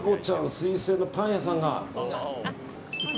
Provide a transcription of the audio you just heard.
推薦のパン屋さんが。